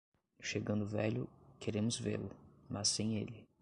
Chegando velho, queremos vê-lo, mas sem ele.